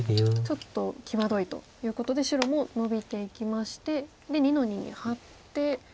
ちょっと際どいということで白もノビていきましてで２の二にハッて。